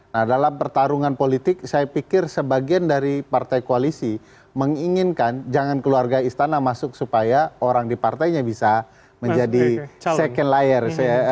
nah dalam pertarungan politik saya pikir sebagian dari partai koalisi menginginkan jangan keluarga istana masuk supaya orang di partainya bisa menjadi second layer